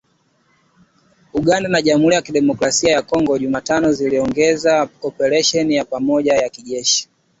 Uganda na Jamhuri ya Kidemokrasi ya Kongo Jumatano ziliongeza operesheni ya pamoja ya kijeshi